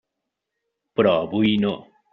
Però avui no.